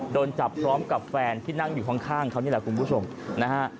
โดนจับพร้อมกับแฟนที่นั่งอยู่ข้างเขานี่แหละคุณผู้ชมนะฮะ